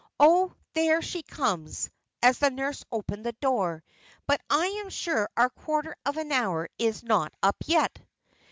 Oh, there she comes," as the nurse opened the door, "but I am sure our quarter of an hour is not up yet."